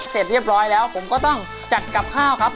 เสร็จเรียบร้อยแล้วผมก็ต้องจัดกับข้าวครับ